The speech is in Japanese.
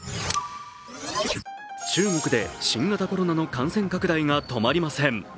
中国で新型コロナの感染拡大が止まりません。